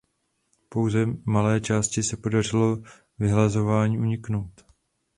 Pouze malé části se podařilo vyhlazování uniknout.